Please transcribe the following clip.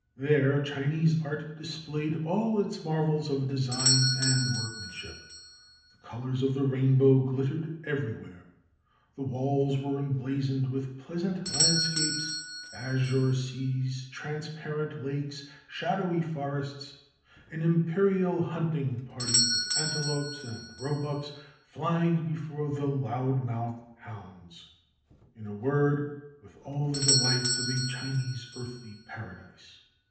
There, Chinese art displayed all its marvels of design and workmanship; the colours of the rainbow glittered everywhere; the walls were emblazoned with pleasant landscapes, azure seas, transparent lakes, shadowy forests, an imperial hunting party, with antelopes and roebucks flying before the loud mouthed hounds; in a word, with all the delights of a Chinese earthly paradise.